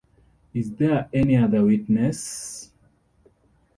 Is there any other witness?